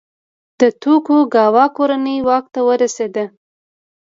د توکوګاوا کورنۍ واک ته ورسېده.